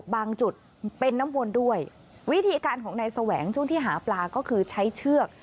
บางจุดเป็นน้ำวนด้วยวิธีการของนายแสวงช่วงที่หาปลาก็คือใช้เชือก